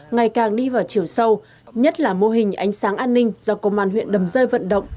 ngày càng đi vào chiều sâu nhất là mô hình ánh sáng an ninh do công an huyện đầm rơi vận động